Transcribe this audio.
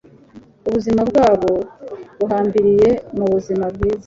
Ubuzima bwabo buhambiriye mubuzima bwiza